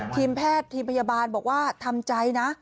ทีมแพทย์ทีมพยาบาลบอกว่าทำใจนะ